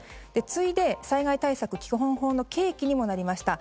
次いで災害対策基本法の契機にもなりました